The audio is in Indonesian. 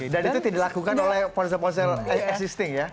dan itu tidak dilakukan oleh ponsel ponsel existing ya